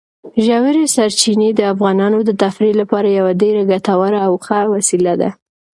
ژورې سرچینې د افغانانو د تفریح لپاره یوه ډېره ګټوره او ښه وسیله ده.